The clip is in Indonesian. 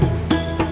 kamu yang dikasih